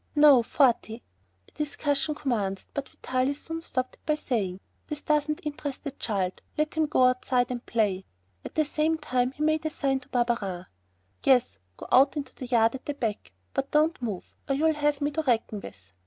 "No, forty." A discussion commenced, but Vitalis soon stopped it by saying: "This doesn't interest the child, let him go outside and play." At the same time he made a sign to Barberin. "Yes, go out into the yard at the back, but don't move or you'll have me to reckon with."